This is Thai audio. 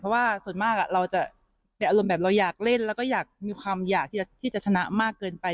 เพราะว่าส่วนมากเราจะเป็นอารมณ์แบบเราอยากเล่นแล้วก็อยากมีความอยากที่จะชนะมากเกินไป